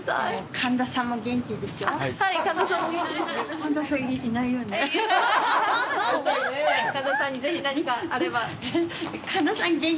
神田さん、元気ですか？